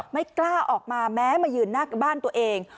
ไม่กล้าออกมาแม้มายืนหน้าบ้านตัวเอง